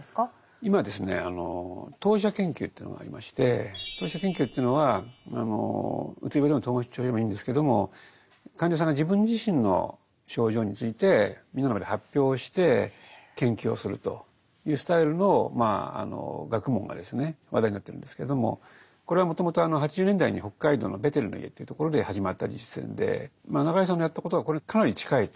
今ですね当事者研究というのがありまして当事者研究というのはうつ病でも統合失調症でもいいんですけども患者さんが自分自身の症状についてみんなの前で発表をして研究をするというスタイルのまあ学問が話題になってるんですけどもこれはもともと８０年代に北海道のべてるの家というところで始まった実践でまあ中井さんのやったことはこれにかなり近いと。